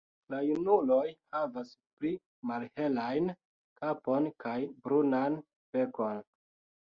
La junuloj havas pli malhelajn kapon kaj brunan bekon.